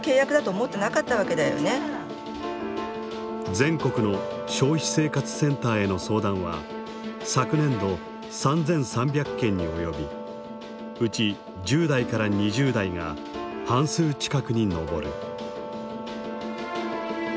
全国の消費生活センターへの相談は昨年度３，３００件に及びうち１０代から２０代が半数近くに上る。